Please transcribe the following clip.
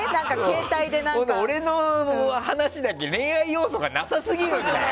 俺の話だけ恋愛要素がなさすぎるんだよ。